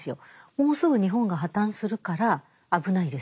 「もうすぐ日本が破綻するから危ないですよ」